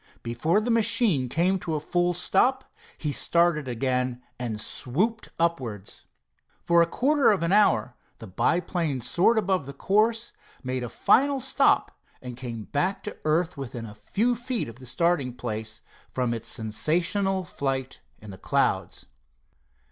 Before the machine came to a full stop he started again and swooped upwards. For a quarter of an hour the biplane soared above the course, made a final stop, and came back to the earth within a few feet of the starting place from its sensational flight in the clouds.